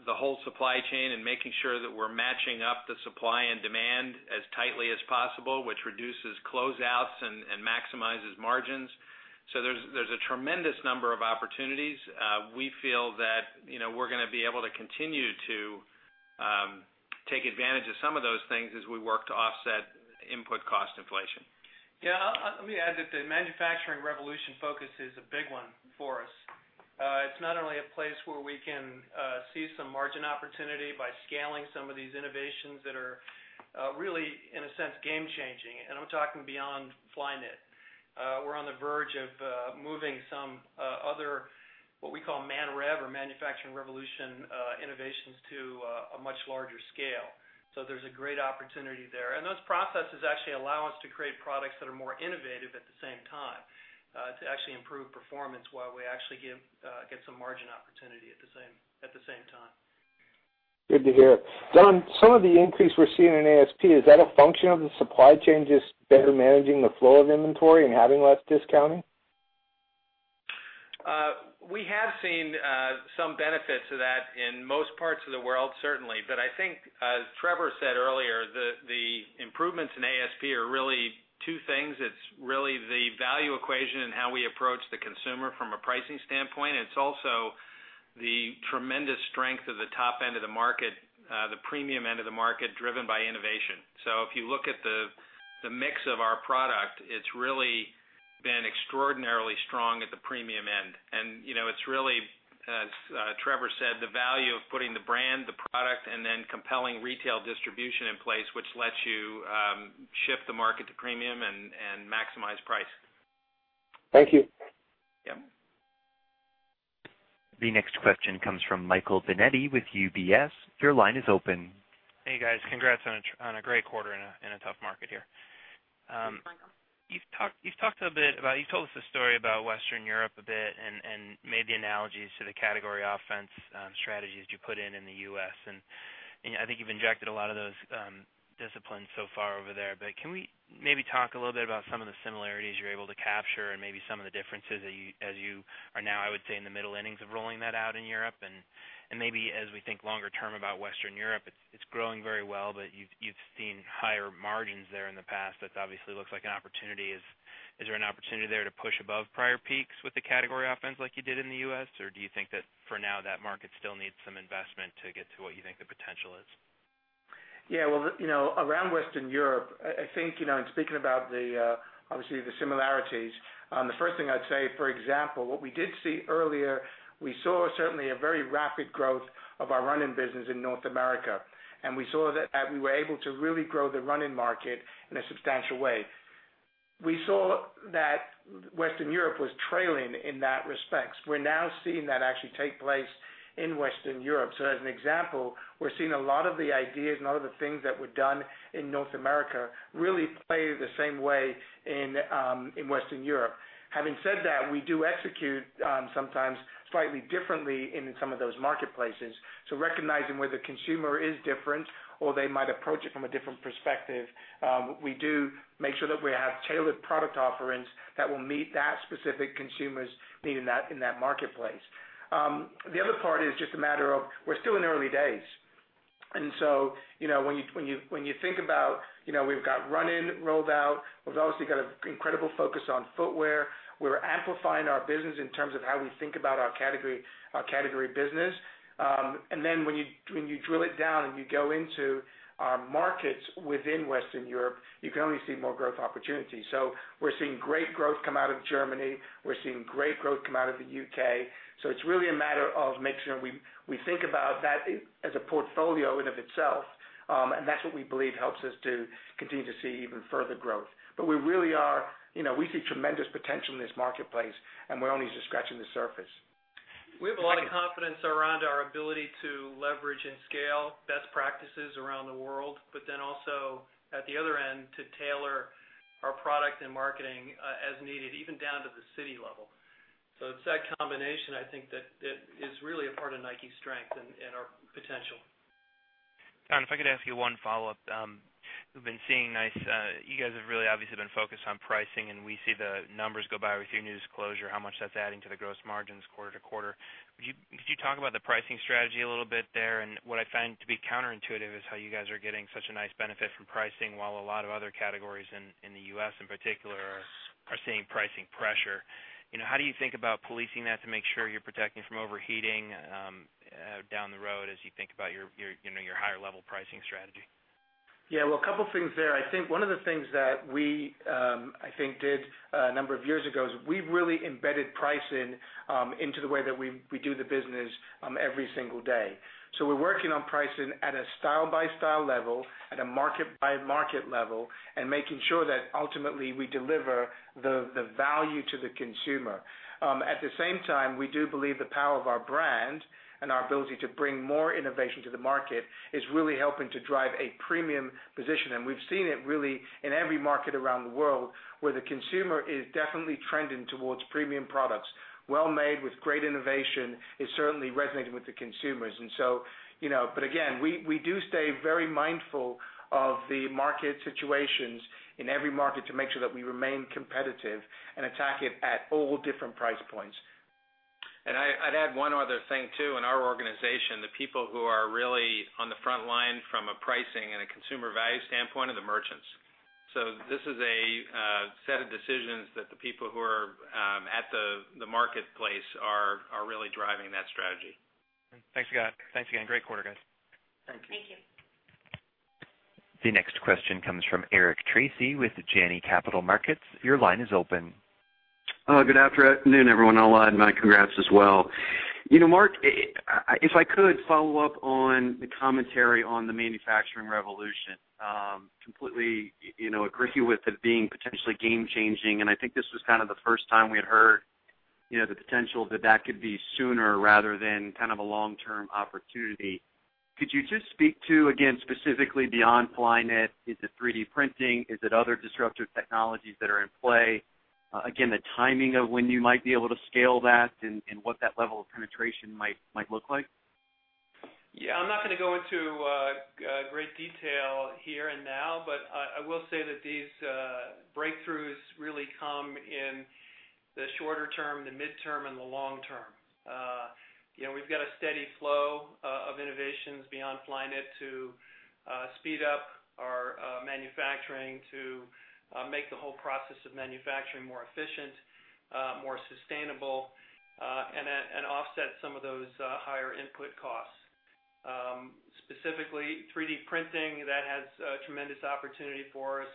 the whole supply chain and making sure that we're matching up the supply and demand as tightly as possible, which reduces closeouts and maximizes margins. There's a tremendous number of opportunities. We feel that we're going to be able to continue to take advantage of some of those things as we work to offset input cost inflation. Yeah. Let me add that the manufacturing revolution focus is a big one for us. It's not only a place where we can see some margin opportunity by scaling some of these innovations that are really, in a sense, game changing. I'm talking beyond Flyknit. We're on the verge of moving some other, what we call ManRev or manufacturing revolution innovations, to a much larger scale. There's a great opportunity there. Those processes actually allow us to create products that are more innovative at the same time, to actually improve performance while we actually get some margin opportunity at the same time. Good to hear. Don, some of the increase we're seeing in ASP, is that a function of the supply chains just better managing the flow of inventory and having less discounting? We have seen some benefits of that in most parts of the world, certainly. I think, as Trevor said earlier, the improvements in ASP are really two things. It's really the value equation and how we approach the consumer from a pricing standpoint. It's also the tremendous strength of the top end of the market, the premium end of the market, driven by innovation. If you look at the mix of our product, it's really been extraordinarily strong at the premium end. It's really, as Trevor said, the value of putting the brand, the product, and then compelling retail distribution in place, which lets you shift the market to premium and maximize price. Thank you. Yeah. The next question comes from Michael Binetti with UBS. Your line is open. Hey, guys. Congrats on a great quarter in a tough market here. Thanks, Michael. You've told us a story about Western Europe a bit and made the analogies to the category offense strategies you put in in the U.S., and I think you've injected a lot of those disciplines so far over there. Can we maybe talk a little bit about some of the similarities you're able to capture and maybe some of the differences as you are now, I would say, in the middle innings of rolling that out in Europe? Maybe as we think longer term about Western Europe, it's growing very well, but you've seen higher margins there in the past. That obviously looks like an opportunity. Is there an opportunity there to push above prior peaks with the category offense like you did in the U.S.? Do you think that for now, that market still needs some investment to get to what you think the potential is? Yeah, well, around Western Europe, I think, in speaking about obviously the similarities, the first thing I'd say, for example, what we did see earlier, we saw certainly a very rapid growth of our running business in North America. We saw that we were able to really grow the running market in a substantial way. We saw that Western Europe was trailing in that respect. We're now seeing that actually take place in Western Europe. As an example, we're seeing a lot of the ideas and a lot of the things that were done in North America really play the same way in Western Europe. Having said that, we do execute sometimes slightly differently in some of those marketplaces. Recognizing where the consumer is different or they might approach it from a different perspective, we do make sure that we have tailored product offerings that will meet that specific consumer's need in that marketplace. The other part is just a matter of, we're still in the early days. When you think about, we've got running rolled out, we've obviously got an incredible focus on footwear. We're amplifying our business in terms of how we think about our category business. When you drill it down and you go into our markets within Western Europe, you can only see more growth opportunities. We're seeing great growth come out of Germany. We're seeing great growth come out of the U.K. It's really a matter of making sure we think about that as a portfolio in and of itself. That's what we believe helps us to continue to see even further growth. We see tremendous potential in this marketplace, and we're only just scratching the surface. We have a lot of confidence around our ability to leverage and scale best practices around the world, also at the other end, to tailor our product and marketing as needed, even down to the city level. It's that combination, I think, that is really a part of Nike's strength and our potential. Don, if I could ask you one follow-up. You guys have really obviously been focused on pricing, and we see the numbers go by with your new disclosure, how much that's adding to the gross margins quarter-to-quarter. Could you talk about the pricing strategy a little bit there? What I find to be counterintuitive is how you guys are getting such a nice benefit from pricing while a lot of other categories in the U.S. in particular are seeing pricing pressure. How do you think about policing that to make sure you're protecting from overheating down the road as you think about your higher level pricing strategy? Yeah, well, a couple things there. I think one of the things that we, I think, did a number of years ago is we've really embedded pricing into the way that we do the business every single day. We're working on pricing at a style-by-style level, at a market-by-market level, and making sure that ultimately we deliver the value to the consumer. At the same time, we do believe the power of our brand and our ability to bring more innovation to the market is really helping to drive a premium position. We've seen it really in every market around the world, where the consumer is definitely trending towards premium products. Well-made with great innovation is certainly resonating with the consumers. Again, we do stay very mindful of the market situations in every market to make sure that we remain competitive and attack it at all different price points. I'd add one other thing, too. In our organization, the people who are really on the front line from a pricing and a consumer value standpoint are the merchants. This is a set of decisions that the people who are at the marketplace are really driving that strategy. Thanks again. Great quarter, guys. Thank you. Thank you. The next question comes from Eric Tracy with Janney Montgomery Scott. Your line is open. Good afternoon, everyone. I'll add my congrats as well. Mark, if I could follow up on the commentary on the Manufacturing Revolution. Completely agree with it being potentially game changing, and I think this was the first time we had heard the potential that that could be sooner rather than a long-term opportunity. Could you just speak to, again, specifically beyond Flyknit, is it 3D printing? Is it other disruptive technologies that are in play? Again, the timing of when you might be able to scale that and what that level of penetration might look like? Yeah. I'm not going to go into great detail here and now, but I will say that these breakthroughs really come in the shorter term, the midterm, and the long term. We've got a steady flow of innovations beyond Flyknit to speed up our manufacturing, to make the whole process of manufacturing more efficient, more sustainable, and offset some of those higher input costs. Specifically, 3D printing, that has tremendous opportunity for us.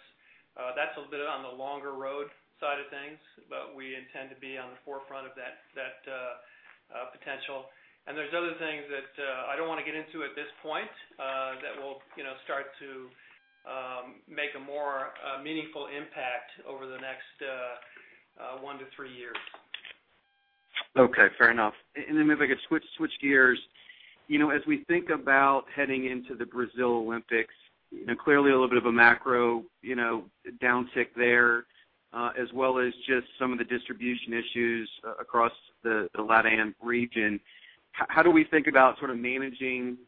That's a bit on the longer road side of things, but we intend to be on the forefront of that potential. There's other things that I don't want to get into at this point, that will start to make a more meaningful impact over the next one to three years. Okay. Fair enough. If I could switch gears. As we think about heading into the Brazil Olympics, clearly a little bit of a macro downtick there, as well as just some of the distribution issues across the Latin region. How do we think about sort of managing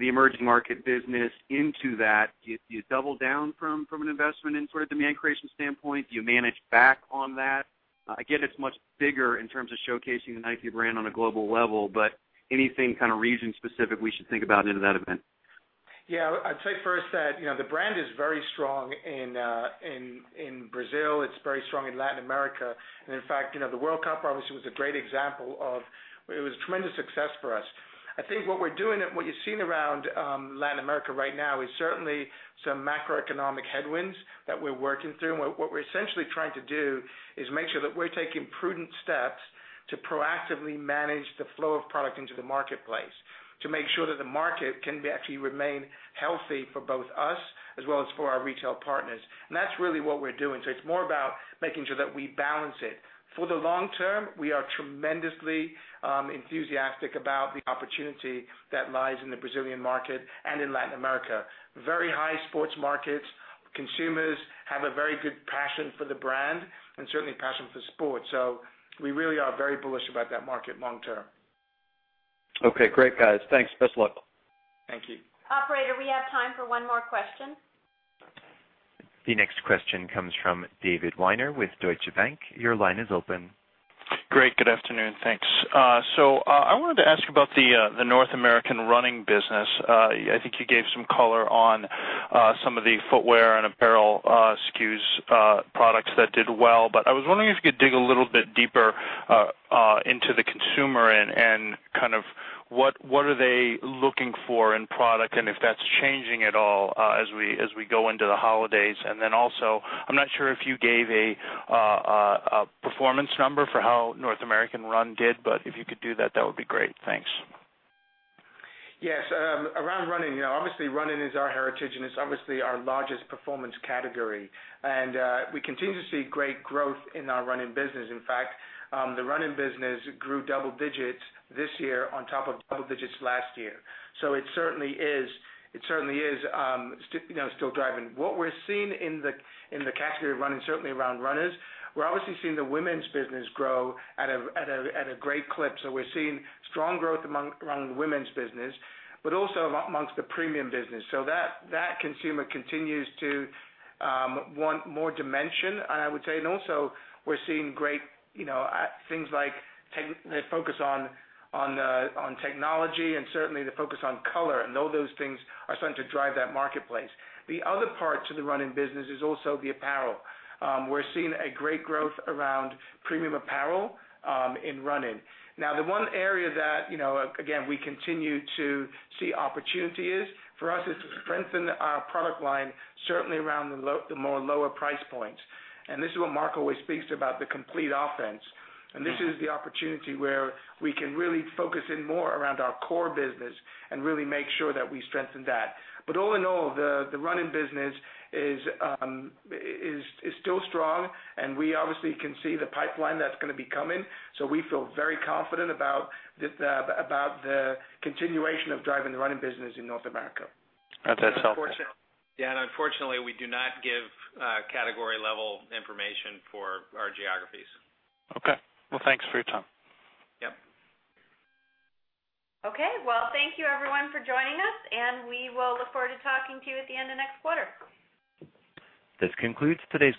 the emerging market business into that? Do you double down from an investment in sort of demand creation standpoint? Do you manage back on that? Again, it's much bigger in terms of showcasing the Nike brand on a global level, but anything kind of region-specific we should think about into that event? Yeah. I'd say first that, the brand is very strong in Brazil. It's very strong in Latin America. In fact, the World Cup, obviously, was a great example of where it was a tremendous success for us. I think what we're doing and what you're seeing around Latin America right now is certainly some macroeconomic headwinds that we're working through. What we're essentially trying to do is make sure that we're taking prudent steps to proactively manage the flow of product into the marketplace, to make sure that the market can actually remain healthy for both us as well as for our retail partners. That's really what we're doing. It's more about making sure that we balance it. For the long term, we are tremendously enthusiastic about the opportunity that lies in the Brazilian market and in Latin America. Very high sports markets. Consumers have a very good passion for the brand and certainly passion for sport. We really are very bullish about that market long term. Okay, great, guys. Thanks. Best luck. Thank you. Operator, we have time for one more question. The next question comes from David Weiner with Deutsche Bank. Your line is open. Great. Good afternoon. Thanks. I wanted to ask about the North American running business. I think you gave some color on some of the footwear and apparel SKUs products that did well, but I was wondering if you could dig a little bit deeper into the consumer and what are they looking for in product. If that's changing at all as we go into the holidays. Also, I'm not sure if you gave a performance number for how North American run did, but if you could do that would be great. Thanks. Yes. Around running, obviously, running is our heritage and it's obviously our largest performance category. We continue to see great growth in our running business. In fact, the running business grew double digits this year on top of double digits last year. It certainly is still driving. What we're seeing in the category of running, certainly around runners, we're obviously seeing the women's business grow at a great clip. We're seeing strong growth around the women's business, but also amongst the premium business. That consumer continues to want more dimension, I would say. Also, we're seeing great things like the focus on technology and certainly the focus on color. All those things are starting to drive that marketplace. The other part to the running business is also the apparel. We're seeing a great growth around premium apparel in running. The one area that, again, we continue to see opportunity is, for us, is to strengthen our product line, certainly around the more lower price points. This is what Mark always speaks about, the complete offense. This is the opportunity where we can really focus in more around our core business and really make sure that we strengthen that. All in all, the running business is still strong, we obviously can see the pipeline that's going to be coming. We feel very confident about the continuation of driving the running business in North America. That's helpful. Yeah, unfortunately, we do not give category-level information for our geographies. Okay. Well, thanks for your time. Yep. Okay. Well, thank you everyone for joining us. We will look forward to talking to you at the end of next quarter. This concludes today's